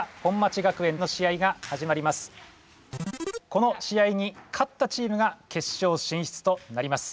この試合に勝ったチームが決勝進出となります。